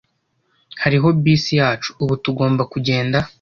Hariho bisi yacu. Ubu tugomba kugenda